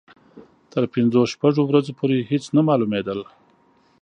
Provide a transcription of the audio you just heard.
تر پنځو شپږو ورځو پورې هېڅ نه معلومېدل.